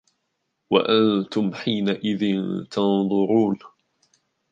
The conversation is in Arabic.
وَأَنْتُمْ حِينَئِذٍ تَنْظُرُونَ